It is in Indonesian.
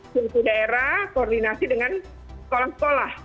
suatu daerah koordinasi dengan sekolah sekolah